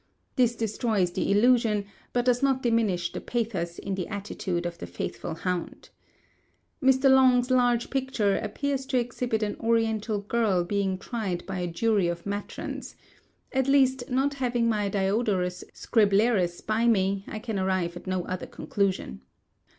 This destroys the illusion, but does not diminish the pathos in the attitude of the faithful hound. Mr. Long's large picture appears to exhibit an Oriental girl being tried by a jury of matrons—at least, not having my Diodorus Scriblerus by me, I can arrive at no other conclusion.